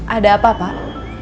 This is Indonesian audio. ada apa pak